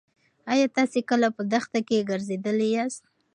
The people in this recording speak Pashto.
ایا تاسې کله په دښته کې ګرځېدلي یاست؟